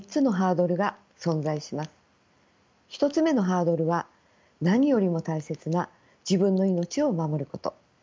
１つ目のハードルは何よりも大切な自分の命を守ること。